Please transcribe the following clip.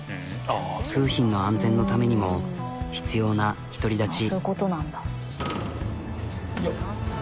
楓浜の安全のためにも必要な独り立ち。